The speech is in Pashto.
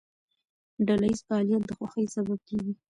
ډلهییز فعالیت د خوښۍ سبب کېږي.